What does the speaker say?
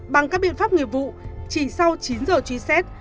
bằng các biện pháp nghiệp vụ chỉ sau chín giờ truy xét